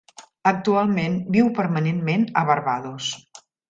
Actualment viu permanentment a Barbados.